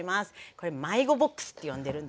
これ迷子ボックスって呼んでるんですけど。